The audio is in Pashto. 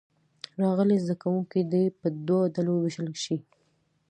راغلي زده کوونکي دې په دوو ډلو ووېشل شي.